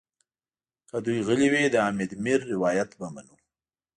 که دوی غلي وي د حامد میر روایت به منو.